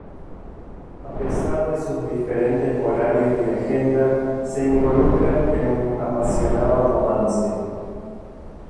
A pesar de sus diferentes horarios y agenda, se involucran en un apasionado romance.